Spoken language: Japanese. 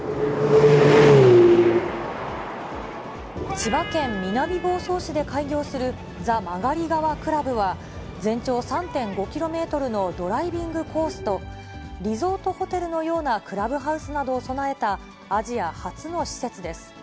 千葉県南房総市で開業するザ・マガリガワクラブは、全長３．５キロメートルのドライビングコースと、リゾートホテルのようなクラブハウスなどを備えたアジア初の施設です。